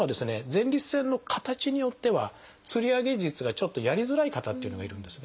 前立腺の形によっては吊り上げ術がちょっとやりづらい方っていうのもいるんですね。